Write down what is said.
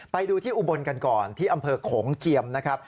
ไปดูที่อุบลกันก่อนที่อำเภอโขงเจียมนะครับ